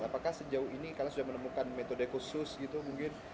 apakah sejauh ini kalian sudah menemukan metode khusus gitu mungkin